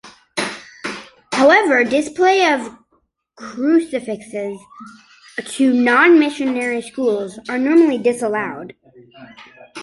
However, display of crucifixes to non-missionary schools are normally disallowed.